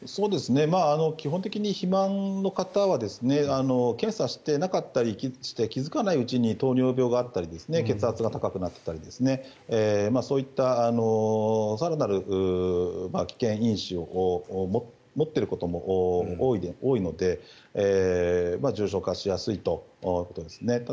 基本的に肥満の方は検査してなかったりして気付かないうちに糖尿病があったり血圧が高くなっていたりそういった更なる危険因子を持っていることも多いので重症化しやすいということですね。